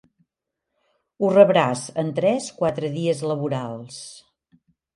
Ho rebràs en tres-quatre dies laborals.